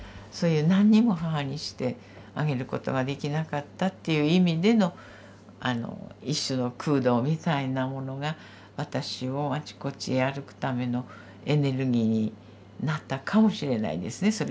そういう何にも母にしてあげることができなかったっていう意味での一種の空洞みたいなものが私をあちこちへ歩くためのエネルギーになったかもしれないですね。